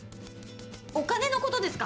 「お金のことですか？」